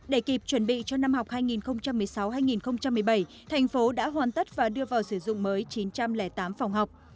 để kịp chuẩn bị cho năm học hai nghìn một mươi sáu hai nghìn một mươi bảy thành phố đã hoàn tất và đưa vào sử dụng mới chín trăm linh tám phòng học